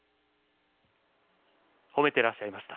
褒めていらっしゃいました。